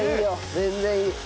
全然いい！